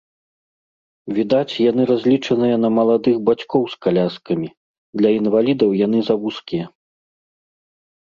Відаць, яны разлічаныя на маладых бацькоў з каляскамі, для інвалідаў яны завузкія.